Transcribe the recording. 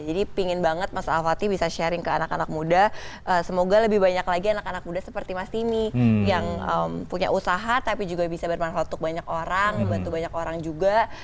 jadi pingin banget mas al fatih bisa sharing ke anak anak muda semoga lebih banyak lagi anak anak muda seperti mas timi yang punya usaha tapi juga bisa bermanfaat untuk banyak orang bantu banyak orang juga